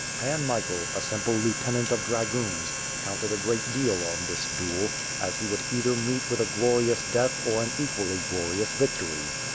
Pan Michael, a simple lieutenant of dragoons, counted a great deal on this duel, as he would either meet with a glorious death or an equally glorious victory.